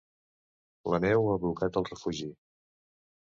La neu ha blocat el refugi.